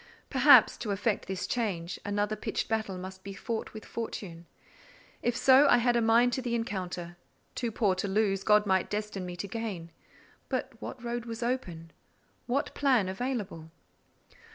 Perhaps, to effect this change, another pitched battle must be fought with fortune; if so, I had a mind to the encounter: too poor to lose, God might destine me to gain. But what road was open?—what plan available?